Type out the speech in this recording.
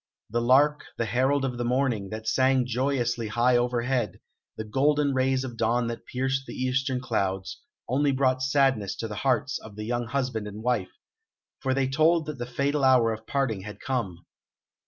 The lark, the herald of the morning, that sang joyously high overhead, the golden rays of dawn that pierced the eastern clouds, only brought sadness to the hearts of the young husband and wife, for they told that the fatal hour of parting had come.